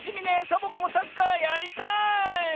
サボ子もサッカーやりたい！